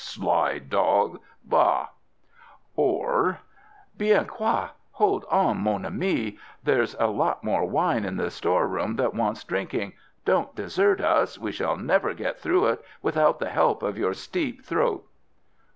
Sly dog! Va!" Or: "Bien quoi! hold on, mon ami! There's a lot more wine in the storeroom that wants drinking. Don't desert us; we shall never get through it without the help of your steep throat."